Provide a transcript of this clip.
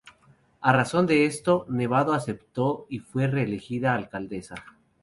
A razón de esto, Nevado aceptó y fue reelegida alcaldesa.